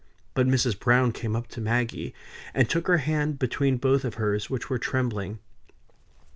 But Mrs. Browne came up to Maggie; and took her hand between both of hers, which were trembling.